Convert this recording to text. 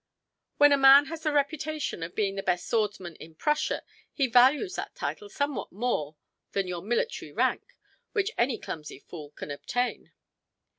"When a man has the reputation of being the best swordsman in Prussia he values that title somewhat more than your military rank, which any clumsy fool can obtain."